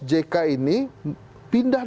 jk ini pindah